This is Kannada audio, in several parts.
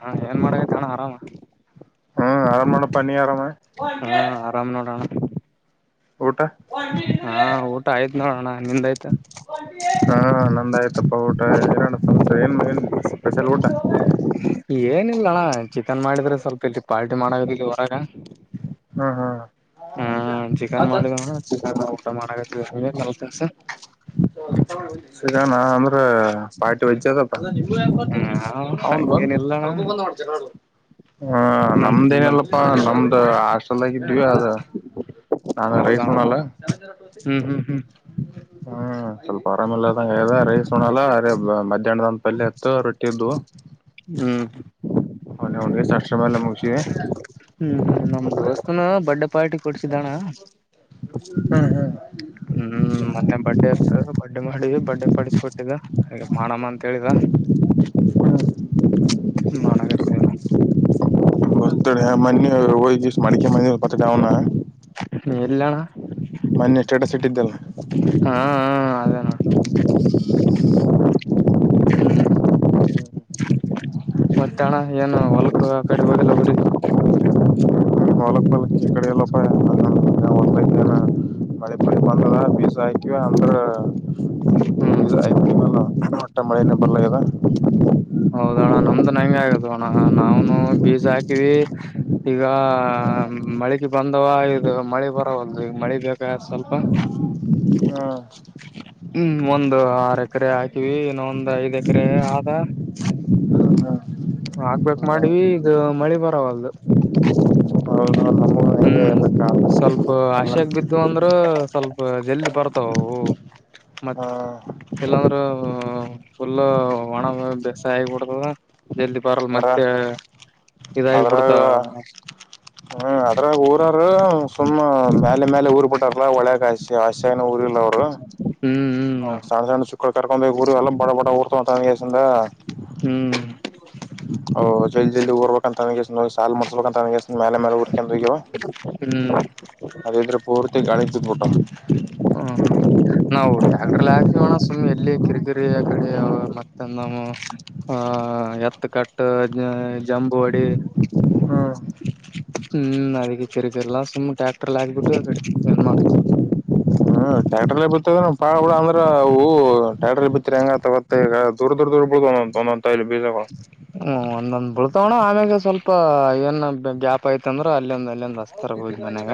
ಹಾ, ಏನ್ ಮಾಡಕತ್ತಿ ಅಣ್ಣಾ, ಆರಾಮ. ಆರಾಮ್ ನೋಡಪ್ಪ, ನೀ ಆರಾಮ. [inaudible] ಹಾ, ಆರಾಮ್, ನೋಡಣ. [unintelligible] ಊಟ.. [inaudible] ಊಟ ಆಯ್ತ್ ನೋಡೋಣ ನಿಂದಯ್ತ ಹಾ, ನಂದಾಯ್ತಪ್ಪ ಊಟ ಏನ ಏನ್ ಸ್ಪೆಷಲ್ ಊಟ. [unintelligible] ಏನಿಲ್ಲಣ್ಣ... [unintelligible] ಚಿಕನ್, ಮಾಡಿದ್ರೆ, ಸ್ವಲ್ಪ ಇಲ್ಲಿ ಪಾರ್ಟಿ, ಮಾಡದ ಇಲ್ಲಿ ಹೊರಗ ಹಾ ಹಾ ಹ್ಮ ಚಿಕನ್ ಮಾಡಿದ ಚಿಕನ್ ಊಟ ಮಾಡ. [inaudible] [unintelligible] ಸಿಗಾಣ ಅಂದ್ರ ಪಾರ್ಟಿ ವಜಿ ಅದಪ್ಪ ಹ್ಮ ಅವನ ಹಂಗೇನಿಲ್ಲಣ ಪ್ರಭು ಬಂದ [unintelligible] ಹಾ ನಮ ನಮ್ದ ನಮ ಏನಲ್ಲಪ್ಪಾ ನಮ್ದ್ ಹಾಸ್ಟೆಲ್ದಾಗ ಇದ್ದೀವಿ ಅದ ನಾನ ರೈಸ್ ಹೌದಣ ಉಣಲ್ಲ. ಹ್ಮ್ ಹ್ಮ್ ಹ್ಮ್ ಹ್ಮ್ ಸ್ವಲ್ಪ ಪ್ರಾಬಲ್ಲಂ ಆದಂಗ್ ಆಗಿದ ರೈಸ್ ಉನಲ್ಲ ಅದೇ ಮಧ್ಯಾಹ್ನ ದಂ ಅಲ್ಲ ಎತ್ತರದ ಅ ರೊಟ್ಟಿದು ಹ್ಮ್ ಹ್ಮ್ ಹ್ಮ ನಮ ದೋಸ್ತನ ಬಡ್ಡೆ ಪಾರ್ಟಿ ಕೊಡ್ಸಿದ್ದಣ ಹ್ಮ್ ಮೊನ್ನೆ ಬಡ್ಡೆ ಇತ್ ಡ್ ಮಾಡವಿ ಬಡ್ಡೆ ಪಡಿಸಿಕೊಟ್ಟಿದ್ದ ಹಂಗ ಮಾಡಮ ಮಾಡಕಹತ್ತಿವಣ್ಣಾ. [unintelligible] ಹೋಗಿದಿವಸ ಮಡಿಕೆ ಮನ [unintelligible] ಎಲ್ಲಣ ಮೊನ್ನೆ ಸ್ಟೆಟಸ್ ಇಟ್ಟಿದ್ದಲ್ಲ, ಹಾ ಅದೇನ ಹ್ಮ್ ಮತ್ತೆ ಅಣ್ಣಾ ಏನು ಹೊಲ್ಕು ಆ ಕಡೆ ಹೋದಲ ಊರಿಗೆ. ಹೊಲಕ [unintelligible] ಈ ಕಡೆ ಎಲ್ಲಪ್ಪ ಹ ಒ ಏನ ಮಳೆ ಪಟ್ಟ ಬಂದದ ಬೀಜಾ ಹಾಕಿವ ಅಂದ್ರ, ಹ್ಮ ವಟ್ಟ ಮಳಿನ ಬರ್ಲ ಅಗೆದು. ಹೌದ ಅಣ್ಣ ನಮ್ದುನ್ ಹಂಗೆ ಆಗದ ಅಣ್ಣ ನಾವನು ಬೀಜ ಹಾಕಿವಿ ಈಗ ಮಳಕಿ ಬಂದವ ಇದು ಮಳಿ ಬರವಲ್ದು ಈಗ ಮಳಿ ಬೇಕ ಸ್ವಲ್ಪ ಹಾ ಹ ಒಂದ್ ಆರ್ ಎಕರೆ ಹಾಕಿವಿ ಇನ್ನ ಒಂದ್ ಐದ್ ಎಕರೆ ಆದ. ಆಗ್ಬೇಕ್ ಮಾಡಿವ ಈಗ ಮಳಿ ಬರವಲ್ದು. ಹೌದ ನಮ್ಮ ಹಂಗೆ ಹ್ಮ್ ಎಲ್ಲ ಸ್ವಲ್ಪ ಹ್ಮ್ ಆಶಾಗ ಬಿದ್ದು ಅಂದ್ರ ಸ್ವಲ್ಪ ಜಲ್ದಿ ಬರ್ತಾವವು. ಹಾ ಇಲ್ಲಾಂದ್ರೆ ಫುಲ್ ಒಣ ಬೇಸಯಿ ಬಿಡ್ತದ ಜಲ್ದಿ ಬರಲ್ ಅದ್ರ ಮತ್ತೆ ಅದ್ರಾಗ ಇದಾಗಿಬಿಡ್ತಾವ. ಹ್ಮ್ [unintelligible] ಅದ್ರಾಗ ಊರಾರ ಸುಮ್ಮ ಮೇಲೆ ಮೇಲೆ ಊರ್ ಬಿಟ್ಟಾರಲ್ಲ ಒಳೆಗ ಹ ಆಸನ ಊರಿ ಇಲ್ಲ ಅವರು ಹ್ಮ್ ಸಣ್ಣ ಸಣ್ಣ ಶುಕ್ಕ್ರ ಕರ್ಕೊಂಡೋಗ ಊರಿ ಎಲ್ಲ ಬಡ ಬಡ ಊರ್ತವಂದಸಿಂದ, ಹ್ಮ್ ಹ್ಮ್ ಓ ಜಲ್ ಜಲ್ದಿ ಉರ್ಬಿಕ ಅಂತಕೆಸೀ ಸಾಾಲ ಮುಡಿಸಬೇಕಂತ ನನ ಮ್ಯಾಲ ಮ್ಯಾಲ ಹುರ್ಕಂದಗವು ಹ್ಮ್ ಅದಿದ್ರೆ ಪೂರ್ತಿ ಗಾಳಿಗೆ ಬತ್ಬಿಟ್ಟಾವ. ಅಣ ಸುಮ್ಮನೆ ಎಲ್ಲಿ ಕಿರಿಕಿರಿ ಅಕಾಡಿ ಅದೇ ಕಡ ಮತ್ತ ನವು ಆಹ ಎತ್ತ ಕಟ್ಟ್ ಇದ ಜಂಬ ಹೋಡಿ, ಹ್ಮ್ ಅದಕ್ಕೆ ಕಿರಿಗೆಲ್ಲ ಸುಮ್ಮ ಟ್ಯಾಕ್ಟರ್ಲ್ ಹಾಕ್ಬಿಟ್ಟು ಅಕಾಡೆಮಿ ಏನ್ ಮಾಡ್ತಿ. ಹು ಹ್ಮ್ ಟ್ಯಾಕ್ಟರ್ ಬಿತ್ತದ ಪಾಡ ಆದ್ರ ಅವು ಟ್ರ್ಯಾಕ್ಟರ್ ಬಿ ಗ ತಗೆಗ ದೂರ್ ದೂರ್ ದರ್ಬುದು ಹ್ಮ್ ಒಂದೊಂದ್ ಬಳ್ತಾವಣ ಆಮ್ಯಾಗ ಸ್ವಲ್ಪ ಏನ್ ಗ್ಯಾಪ್ ಯ್ತ ಅಂದ್ರ ಅಲ್ಲಿಂದ ಇಲ್ಲಿಂದ ಹಸ್ತಾರ ಮನ್ಯಾಗ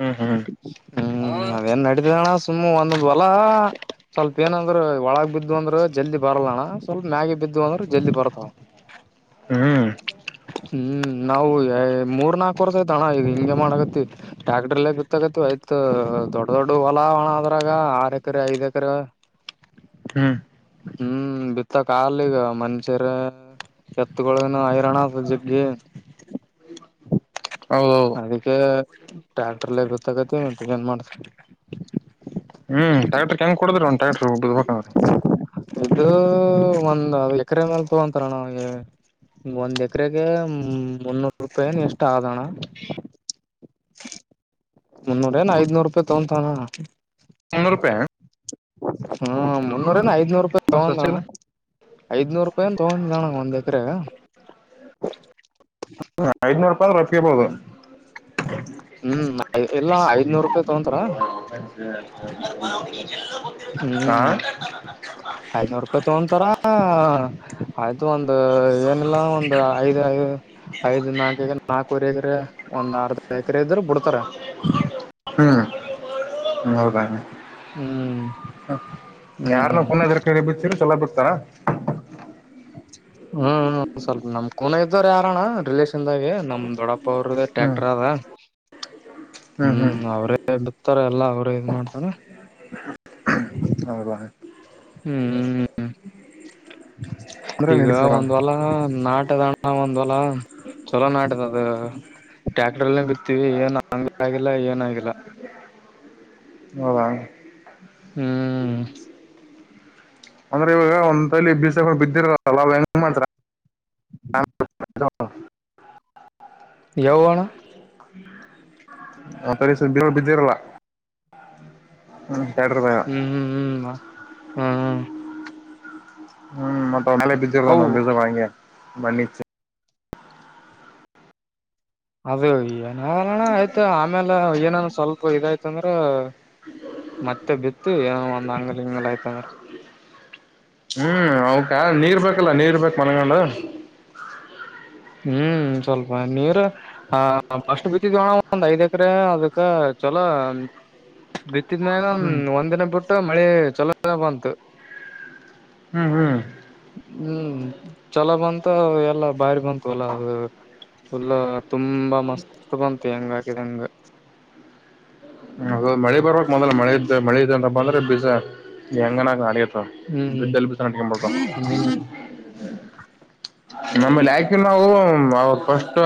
ಹ್ಮ್ ಹ್ಮ್ ಹ್ಮ್ ಅದೇನ್ ನಡ್ದಣ ಸುಮ್ಮ್ ಒಂದೊಂದ್ ಹೊಲ ಸ್ವಲ್ಪ ಏನಂದ್ರ ಒಳಗ ಬಿದ್ದು ಅಂದ್ರೆ ಜಲ್ದಿ ಬರಲ್ಲಣ್ಣ ಸ್ವಲ್ಪ ಮ್ಯಾಗೆ ಬಿದ್ದು ಅಂದ್ರೆ ಜಲ್ದಿ ಬರ್ತ ಹ್ಮ್ ಹ್ಮ್ ನಾವು ಮೂರ್ ನಾಕು ವರ್ಷ ತನ ಇದೀವಿ ಹಂಗೆ ಮಾಡ್ಗತ್ತತಿ ಟ್ಯಾಕ್ಟ್ರಲ್ಲೇ ಗತ ಆಯ್ತ್ ದೊಡ್ಡ ದೊಡ್ಡ ಹೊಲಾವಣ ಆದದ್ರಾಗ ಆರ್ ಎಕರೆ ಐದ್ ಎಕರೆ ಹ್ಮ್ ಹ್ಮ್ ಬಿತ್ತ ಕಾಲಗ ಮನ್ಷ್ಯರ ಎತ್ಗೊಗಳನ ಹೈರಾಣ ಜಗ್ಗಿ ಹೌದೌದು ಅದಕ್ಕೆ ಟ್ಯಾಕ್ಟರ್ಲ್ಲ ಗೊತ್ತಾಗತಿ ಏನ್ ಮಾಡ್ತ ಹ್ಮ್ ಟ್ಯಾಕ್ಟರ್ ಹೆಂಗ್ ಕೊಡ್ರ ಅವನ್ ಟ್ಯಾಕ್ಟರ್ ಹುಡ್ಡ ಬಬೇಕಂದ್ರಿ ಇದು ಒಂದ್ ಎಕರೆ ಮೇಲ್ ತಗೊಂತಾರಣ ಒಂದ್ ಎಕರೆಗೆ ಮುನ್ನೂರು ರೂಪಾಯ ಎಷ್ಟ ಆದಣ ಮುನ್ನೂರ ಏನ ಐದನೂರು ರೂಪಾಯಿ ತಗಂತಾನ ಮುನ್ನೂರು ರೂಪಾಯಿ ಹ್ಮ ಮುನ್ನೂರಂದ ಐದನೂರು ರೂಪಾಯಿ ತಗೊಂಡಣ ಐದನೂರು ರೂಪಾಯ ತಗೊಂಡ ಅಣ್ಣ ಒಂದ ಎಕ್ರ ಐದನೂ ರೂಪಾಯಿ ಆದ ರಪರ್ಬೋದು ಹ್ಮ್ ಇಲ್ಲ ಐದ್ನೂರು ರೂಪಾಯಿ ತಗೊಂತಾರ [unintelligible] [unintelligible] ಹ್ಮ್ ಐದನೂರ್ ರೂಪಾಯಿ ತಗೊತಾರ ಆಯ್ತು ಒಂದ ಏನಿಲ್ಲ ಒಂದ ಐದ್ ಐದು ಐದ್ ನಾಲ್ಕ ನಾಲ್ಕವರೆಕ್ರ ಒಂದ್ ಆರ್ಧ ಎಕರೆ ಇದ್ರ ಬಿಡ್ತಾರ ಬ ಹ್ಮ್ [unintelligible] ಹ್ಮ್ ಯಾರನ್ನ ಹ್ಮ್ ಪನದ ಕ ಬಿತರ ಚಲೋ ಬ ಹತರ ಹ್ಮ್ ಸ್ವಲ್ಪ ನಮ್ ಕೂನ ಇದ್ದವ್ರ ಯಾರಣ್ಣ ರಿಲೇಷನ್ದಾಗೆ ನಮ್ ದೊಡ್ಡಪ ಅವರದ ಹ್ಮ್ ಟ್ರ್ಯಾಕ್ಟರ್ ಅದ ಹ್ಮ್ ಅವ್ರೇ ಇತರ ಎಲ್ಲಾ ಅವರು ಇದ್ ಮಾಡ್ತಾರ ಹೌದ ಹ್ಮ್ ಹ್ಮ್ ಅಂದ್ರೆ ಈಗ ನಡೀತಾರ ಒಂದ್ ವಲ ನಾಟದ ಹಾ ಒಂದ್ವಲ ಚಲೋ ನಾಟದ ಅದ ಟ್ಯಾಕ್ಟ್ರಲ್ಲಿ ಬಿತ್ತಿವಿ ಏನ್ ಹಂಗ ಆಗಿಲ್ಲ ಏನ ಆಗಿಲ್ಲ ಹೌದಾ ಹ್ಮ್ ಅಂದ್ರೆ ಇವಾಗ ಒಂದಲ್ಲಿ ಬೀಜಗಳುಬಿದ್ದಿರಲ್ಲ ಹೆಂಗ ಮಾಡ್ತ ಯಾವಳ ಆ ತ ಬ ಬಿದ್ದಿರಲ್ಲ ಹ್ಮ ತ ಎಟರದಾಯ ಹ್ಮ್ ಹ್ಮ್ ಹ್ಮ್ ಹ್ಮ್ ಹ್ಮ್ ಮತ್ತೆ ಅವನಿಗೆ ಹೌ ಬಿದ್ದಿರನ್ ಬೀಜಗಳು ಆಗೇ ಬನ್ನಿ ಅದೇ ಏನಣ ಆಯ್ತ ಆಮೇಲೆ ಏನನ್ ಸ್ವಲ್ಪ ಇದಾಯ್ತಂದ್ರ ಮತ್ತೆ ಬಿತ್ತು ಏನೋ ಒಂದ್ ಅಂಗಲ್ ಹಂಗಲ್ ಆಯ್ತಂದ್ರ ಹ್ಮ್ ಅವಕ ನೀರ್ ಬೇಕಲ್ಲ ನೀರ್ ಬೇಕ ಮಲ್ಗೊಂಡ ಹ್ಮ್ ಸ್ವಲ್ಪ ನೀರ್ ಫಸ್ಟ್ ಬಿತ್ತಿದ್ವಣ ಒಂದ್ ಐದ ಎಕರೆ ಅದಕ್ಕ ಚಲೋ ಬಿ ಬಿಟಿನ್ಯಾಗ ಹ್ಮ್ ವಂದನ ಬಿಟ್ಟು ಮಳೆ ಚಲೋ ಬಂತು ಹ್ಮ್ ಹ್ಮ್ ಹ್ಮ್ ಚಲೋ ಬಂತ ಎಲ್ಲ ಬಾರಿ ಬಂತು ತೋಲ ಅದು ಲ್ಲ ತುಂಬಾ ಮಸ್ತ್ ಬಂತ ಹೆಂಗ ಹಾಕಿದ ಹೆಂಗ ಹ್ಮ ಹಲೋ ಮಳೆ ಬರ ಮೊದಲ ಮಳೆ ಇದ್ದ ಮಳಿ ಇದ ಅಂತ ಬಿಸ ಹೆಂಗನಾಗ ಅಡ ಹ್ಮ್ ಲ್ಲಿ ಟ ಮಾಡಡ್ತ ಹ್ಮ್ [unintelligible] ನಮ ಯಾಕಿ ನಾವು ಅವತ್ ಫಸ್ಟ್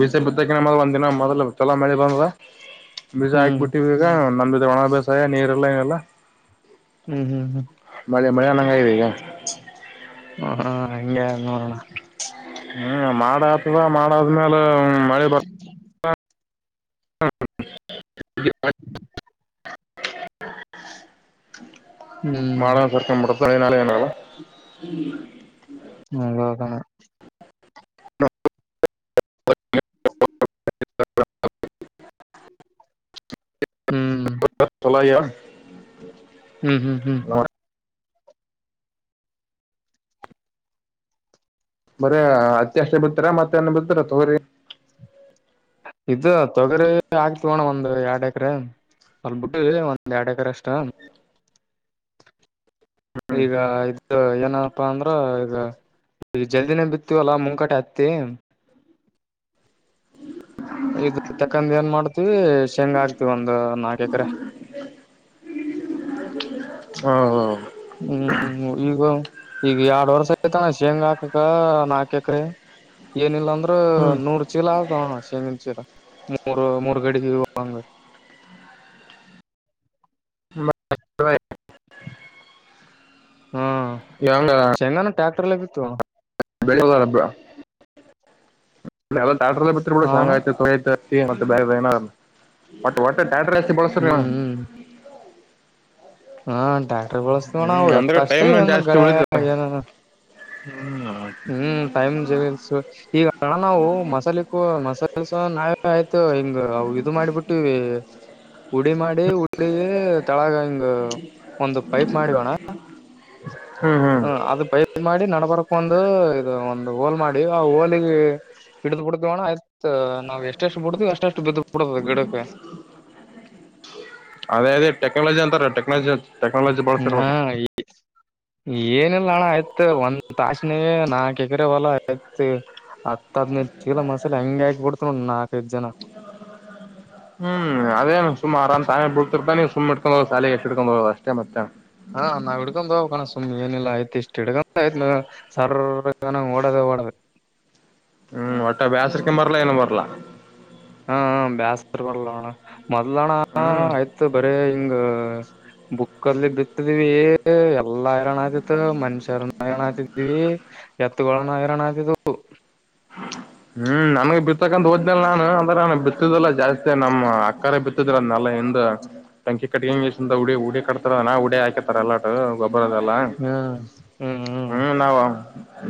ಬಿಸ ಬಿತ್ತಕ ನಮ್ಮ ಒ ದಿನ ಮೊದಲು ಚಲೋ ಮಳೆ ಬಂದುದು ಬೀಜ ಹ್ಮ್ ಆಗ್ಬಿಟ್ಟಿವ ಈಗ ನಮ ಒಣ ಅಭ್ಯಾಸಾಯ ನೀರೆಲ್ಲ ಏನಲ್ಲ ಹ್ಮ್ ಹ್ಮ್ ಹ್ಮ್ ಮಳೆ ಮಳೆನ್ನಂಗ ಇದೆ ಈಗ ಹ ಹಾ ಹಂಗ ಅದ ನೋಡಣ್ ಹ್ಮ್ ಮಾಡ ಆತದ ಮಾಡಾದ್ಮೇಲೆ ಮಳೆ ಬರ್ ಹಾ ಇ [unintelligible] ಹ್ಮ್ ಮಾಡಳೆ ಸರ್ಕ ಮಟ್ಟ ತಳಿನಳ ಏನಳ [unintelligible] ಹಗಕ [unintelligible] ಹ್ಮ್ ಚಲೋ ಆಗ್ಯಾವ್ ಹ್ಮ್ ಹ್ಮ್ ಹ್ಮ್ ಬರ ಹತ್ತಿ ಅಷ್ಟೇ ಬಿತೆರೆ ಮತ್ತ್ಯಾಹನ ಬಿತ್ತಾರ ತೊಗರಿ ಇದು ತೊಗರಿ ಆಗ್ತವೋಣ ಒಂದ್ ಎರಡ್ ಎಕರೆ ಸ್ವಲ್ ಬಿಟ್ಟ ಒಂದ್ ಎರಡ್ ಎಕರೆ ಅಷ್ಟ ಈಗ ಇದ ಏನಪ್ಪಾ ಅಂದ್ರ ಈಗ ಈಗ ಜಲ್ದಿನೇ ಬಿತ್ತವಲ್ಲಾ ಮುಂಕಟಿ ಹತ್ತ ಇದು ತಕ್ಕಂದ ಏನ್ ಮಾಡ್ತೀವಿ ಶೇಂಗ ಆಗ್ತಿವಿ ಒಂದ ನಾಕ ಎಕರೆ ಹ್ಮ ಹ್ಮ ಹ್ಮ್ ಈಗ ಈಗ ಎರಡ್ ವರ್ಷ ಆಯ್ತಾ ಶೇಂಗಾ ಹಾಕಕ್ಕ ನಾಕ ಎಕರೆೆ ಏನಿಲ್ಲ ಅಂದ್ರ ಹ್ಮ್ ನೂರ್ ಚೀಲ ಆತವಣ್ಣ ಶೇಂಗಿನ ಚೀಲ ಮೂರ್ ಮೂರ್ ಗಡಿಗೆ ಹೋಗಂಗ ಯಂಗ [unintelligible] ಟ್ಯಾಕ್ಟರ್ ಅಲ್ಲೇ ಬಿತ್ತಿವಣ್ಣ ಬೆಲ್ಲಬ್ರಾ [unintelligible] ನ [unintelligible] ಟ್ರ್ಯಾಕ್ಟರ್ ಅಲ್ಲೇ ಬಿತೀವಿ ಬಿಡ್ ಹಾ ಶೇಂಗಾ ಅಣ್ಣ ಆಯ್ತು ತೊಗರಿ ಆಯ್ತು ಮತ್ತೆ ಬೇರೆ ಏನಾದಟ್ [unintelligible] ಟ್ರ್ಯಾಕ್ಟರ್ ಎಷ್ಟ್ ಬಳಸ್ತೆರ್ ಹ್ಮ್ ಅಣ್ಣ ಹ್ಮ್ ಹಾ ಟ್ಯಾಕ್ಟರ್ ಬಳಸ್ತಣವು ಅಣ್ಣಾ ಹ್ಮ್ ಎತ್ತ ಅಂದ್ರೆ ಅಷ್ಟೇ ಟೈಮ್ನು ಏನು ಜಾಸ್ತಿ ಗಳ ಉಳಿತದ ಏನ ಹ್ಮ್ ಟೈಮ್ ಜಲ್ಸು ಈಗಣ ನಾವು ಮಸಾಲಕ್ಕೂ ಮಸಾಲಸ ನಾವ ಆಯ್ತು ಹಿಂಗ ಇದು ಮಾಡಿಬಿಟ್ಟಿವ ಉಡಿ ಮಾಡಿ ಉಡಿ ತಳಗ ಹಿಂಗ ಒಂದು ಪೈಪ್ ಮಾಡಿವೋಣ ಹ್ಮ್ ಹ್ಮ್ ಹ್ಮ ಅದು ಪೈಪ್ ಮಾಡಿ ನಡಬರಕ ಅಂತ ಒಂದು ಇದು ಒಂದ್ ಹೋಲ್ ಮಾಡಿ ಆ ಹೋಲಿಗೆ ಹಿಡ್ದ ಬಿುಡ್ತವಣ ಆಯ್ತ್ ನಾವ್ ಎಷ್ಟೆಷ್ಟು ಬಿಡತಿವಿ ಎಷ್ಟೆಷ್ಟು ಬಿದ್ದ ಬಿಡತದ ಗಿಡಕ್ಕೆ ಅದೇ ಅದ ಟೆಕ್ನಾಲಜಿ ಅಂತಾರ ಟೆಕ್ನಾಲಜಿ ಟೆಕ್ನಾಲಜಿ ಹಾ ಬಳಸಿರ್ಬೇಕದು ಏನಿಲ್ಲ ಅಣ ಆಯ್ತ್ ಒಂದ್ ತಾಸನೆ ನಾಕ್ ಎಗ್ರವಲ್ಲ ಆಯ್ತ್ ಹತ್ತ ಹದ್ನೈದ ಕೀಲ ಮಸಾಲೆ ಹಂಗ ಆಕ್ ಬಿಿಡ್ತ ನಾಕೈದ ಜನ ಹ್ಮ್ ಅದೇ ಸುಮ್ಮ ಆರಾಮ್ ತಾಯೇ ಬ ಬಿಳ್ಡ್ತಿರ್ತಾನ ನೀವು ಸುಮ್ಮ ಇಕೊಂಡ ಹೋಗೋ ಶಾಲ ಎಷ್ಟು ಇಟ್ಕೊಂಡ್ ಹೋದ ಅಷ್ಟೇ ಮತ್ತೆ ಹಾ ನಾವ್ ಹಿಡ್ಕೊಂಡ ಹೋಗ್ ಕಣ ಸುಮ್ಮ್ ಏನಿಲ್ಲ ಆಯ್ತ್ ಇಷ್ಟ್ ಹಿಡ್ಕ ಆಯ್ತ್ ಸರ್ನ ಓಡದೆ ಓಡದೆ ಹ್ಮ್ ಒಟ್ಟೆ ಬಾಸರ್ಕ ಬರ್ಲಾ ಏನು ಬರ್ಲಾ ಹಾ ಬಸ್ರ್ ಬರಲಣ ಮೊದ್ಲಣ ಹ್ಮ್ ಆಯ್ತ್ ಬ ಅ್ರ ಹಿಂಗ ಬುಕ್ಕಲಿ ಬಿತ್ತಿದೀವಿ ಎಲ್ಲಾ ಹೈರಾಣ ಆತಿತ್ತು ಮನುಷ್ಯರನ ಹೈಾಣ ಆತಿದೀವಿ ಎತ್ಗಳನ್ನ ಹೈರಾಣ ಆತಿದವು ಹ್ಮ್ ನಮಗ್ ಬಿರ್ತಕ್ಕಂಂತಓದ್ಲ್ಲ ನಾನು ಬಿತ್ತಿದ್ದಲ್ಲಾ ಜಾಸ್ತಿ ನಮ್ಮ್ ಅಕ್ಕಾರೆ ಬಿತ್ತಿದ್ರ ನಿಂದ ತಂಕಿ ಕಟ್ಟಂಗ ಉಡಿ ಉಡಿ ಕತಾರ ನ ಹಾಕತ ಎಲ್ಲ ಬರದಲ್ಲ ಹ್ಮ್ ನಾವ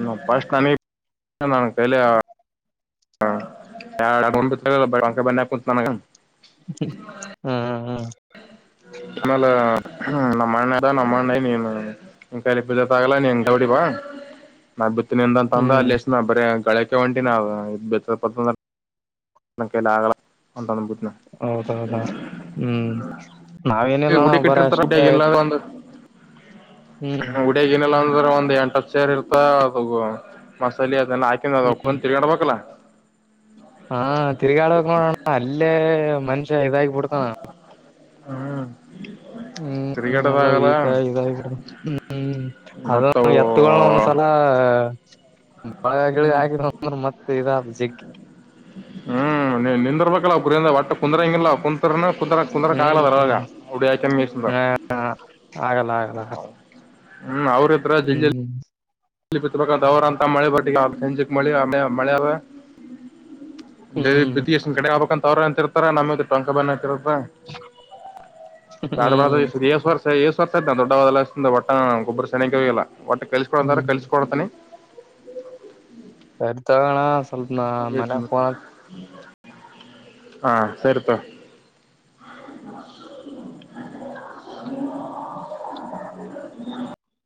ನ ಪ್ರಶ್ಟ್ ನಮಿ ನನ್ ಕಲ ಹಡಕ ಬಕಂ [unintelligible] ಹಾ ಹಾ ಹಾ ಹ ನಲ್ಲ ನಮ್ಮಣದ ನಮ್ಮಣ ನೀನು ಇಂಕ ಎಲ್ಲಿಪಿದ್ದ ತಾಗಲ್ಲ ನೀ ಎಂಂತ ಹೊಡಿ ಬ ನ ಂತ ಅಂದ ಹ್ಮ್ ಅಲ್ಲಿ ಎಷ್ಟ ಬರಗಳ ಕವೆಂಟೀನ್ ಬೆಂದ್ರ ನಕ್ಕೆಲ್ಲ ಆಗಲ ಅಂದ ಬುದ ಹೌದೌದಾ ಹ್ಮ್ ನಾವೇನಿಲ್ಲಣ ಗುಡಿ ಬರ ಅಷ್ಟೇ ಆಯ್ತು ಹ್ಮ್ ಉಡಿಯಗನಲ್ಲ ಅಂದ್ರೆ ಒ ಎಂಟಪ್ಚರ್ ಇರ್ತ ಅದು ಮಸಾಲೆ ಅದೆಲ್ಲ ಹಾಕಿ ನಾನ್ ಒಪ್ಪಿಕೊಂಡು ತಿರ್ಗಾಡಬೇಕಲ್ಲ ಹಾ ತಿರ್ಗಾಡಬೇಕಕ್ ನೋಡೋಣ ಅಲ್ಲೇ ಮನುಷ್ಯ ಇದಾಗಿ ಬಿಡ್ತಾನಾ ಹಾ ಹ್ಮ ಹ್ಮ್ ಎಲ್ಲ ವೀಕ್ ಹಾಗಿ ಇದ್ದಾಗಬಿಟ್ಟವು ಅದ ಮತ್ತವು ಎತ್ತುಗಳು ಒಂದ್ಸಲ ಮಳಗಿಲೆ ಹಾಕಿದ್ರ ಮತ್ತೆ ಇದವು ಜಿಗ್ ಹ್ಮ್ ನಿಂದಿರ್ಬೇಕಲ್ಲ ಹೊಟ್ಟ ಒಬ್ಬರು ಕುಂದ್ರ ಹಂಗಿಲ್ಲ ಕು ಕು ಕುಂದರಕ್ ಹ್ಮ್ ಆಗ್ಲದಾಗ ಹ್ಮ್ ಹುಡಿ ಯಾಕ ಮೇರಿಸಿಕೊಂಡು ಹ ಆಗಲ್ಲ ಆಗಲ್ಲ ಹ್ಮ್ ಅವ್ರ ಇದ್ರ ಜಲ್ ಹ್ಮ್ ಪತ್ಬೇಕಾದ ಅವರ ಅಂತ ಮಳೆ ಬರ್ಟ್ಟಿಗೆ ಹೆಂಜಿ ಮಳೆ ಮ ಮಳೆಯವೇ ಹ್ಮ್ ಎಷ್ಟನ ಕಡೆ ಆಗ್ಬೇಕಂತ ಅವ ಅಂತರ್ತಾರೆ ನಮ್ದ ಹಾಕಿರದು ಹ್ಮ್ ಬಡ್ವಾಷ್ಟ ಆ ಫೋರ್ ರ್ತ ದೊಡ್ಡದಲ್ಲ ಬಟ್ಟ ಗೊಬ್ಬರು ಸೆಣ್ಣಕೆ ಹೋಗಿಲ್ಲ ಒಟ್ ಕಳಿಸುಅಂದ್ರ ಹ್ಮ್ ಕಲ್ಸಕೊಡ್ತನಿ ಸರಿ ತಗೋಣ ಸ್ವಲ್ಪ ನಾ ಮನೆ ಫೋನ್ ಹಾ ಸರಿ ತಕೊ